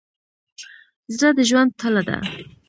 زړه د ژوند تله ده.